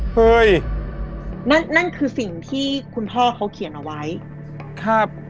เฮ้ยนั่นนั่นคือสิ่งที่คุณพ่อเขาเขียนเอาไว้ครับ